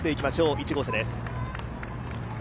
１号車です。